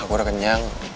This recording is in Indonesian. aku udah kenyang